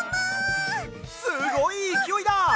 すごいいきおいだ！